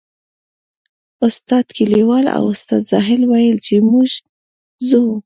استاد کلیوال او استاد زاهد ویل چې موږ ځو.